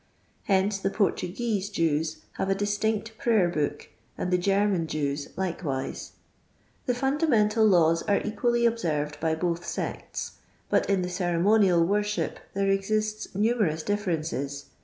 Hence the Portuguese Jews have a distinct prayer buok, and the German Jews likewise. " The fundamental laws arc equally observed by both sects, but in the ceremonial worship there exists numerous differences.